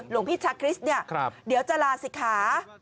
หลวงพี่ชาคริสต์เนี่ยเดี๋ยวจะลาศิกขา